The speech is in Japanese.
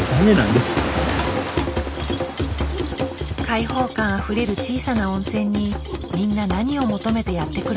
開放感あふれる小さな温泉にみんな何を求めてやって来るのか。